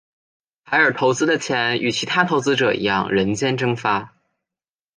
凯尔投资的钱与其他投资者一样人间蒸发。